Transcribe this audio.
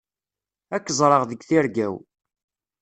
Ad k-ẓreɣ deg tirga-w.